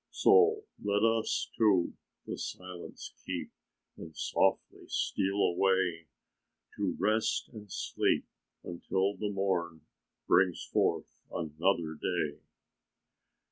So let us, too, the silence keep, And softly steal away, To rest and sleep until the morn Brings forth another day."